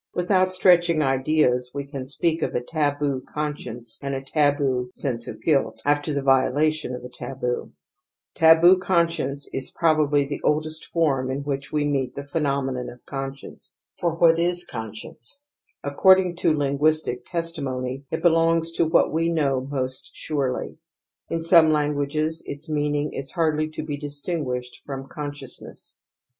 Without stretching ideas { we can speak of a taboo conscience and a taboo sense of guilt after the violation of a taboo. Taboowi^ciencejs^^ wlnchjw^jp,^^ of conscience/ For what is * conscience '? According to linguistic testimony it belongs to what we know most surely ; in some languages its meaning is hardly to be distinguished from consciousness.